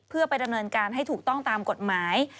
เพื่อไปดำเนินการให้ถูกต้องตามกฎหมาย